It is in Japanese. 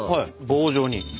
棒状に。